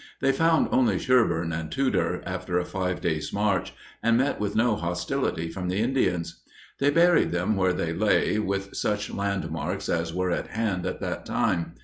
They found only Sherburn and Tudor, after a five days march, and met with no hostility from the Indians. They buried them where they lay, with such land marks as were at hand at that time.